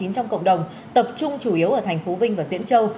trong cộng đồng tập trung chủ yếu ở thành phố vinh và diễn châu